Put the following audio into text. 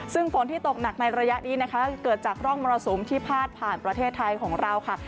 ซึ่งฝนที่ตกหนักในระยะนี้นะคะเกิดจากร่องมรสุมที่พาดผ่านประเทศไทยของเราค่ะ